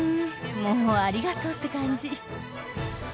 もう「ありがとう」って感じ。